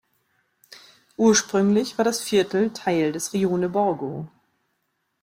Ursprünglich war das Viertel Teil des Rione Borgo.